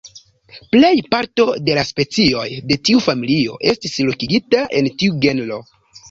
Plej parto de la specioj de tiu familio estis lokigita en tiu genro.